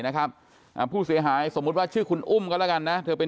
นะครับอ่าผู้เสียหายสมมุติว่าชื่อคุณอุ้มก็แล้วกันนะเธอเป็น